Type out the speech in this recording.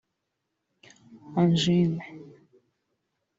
anjine